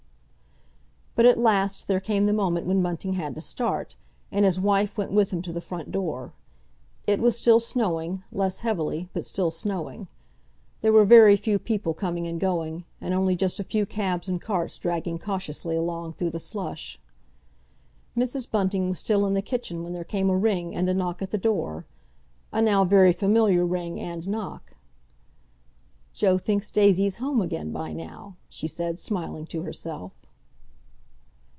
But at last there came the moment when Bunting had to start, and his wife went with him to the front door. It was still snowing, less heavily, but still snowing. There were very few people coming and going, and only just a few cabs and carts dragging cautiously along through the slush. Mrs. Bunting was still in the kitchen when there came a ring and a knock at the door—a now very familiar ring and knock. "Joe thinks Daisy's home again by now!" she said, smiling to herself.